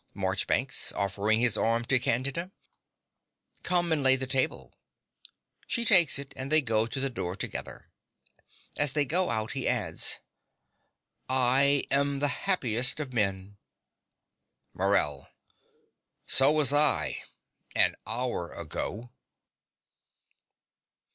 MARCHBANKS (offering his arm to Candida). Come and lay the table.(She takes it and they go to the door together. As they go out he adds) I am the happiest of men. MORELL. So was I an hour ago.